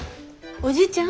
おじいちゃん。